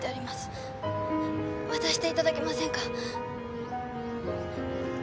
渡していただけませんか？